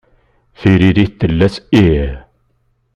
Tiririt tella s "ih".